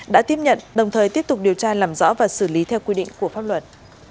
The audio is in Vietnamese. đã tiếp nhận đồng thời tiếp tục điều tra làm rõ và xử lý theo quy định của pháp luật